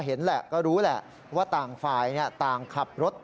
เพราะถูกทำร้ายเหมือนการบาดเจ็บเนื้อตัวมีแผลถลอก